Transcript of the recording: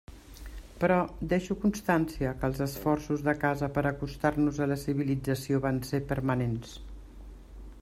Però deixo constància que els esforços de casa per acostar-nos a la civilització van ser permanents.